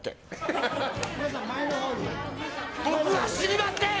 僕は死にましぇん！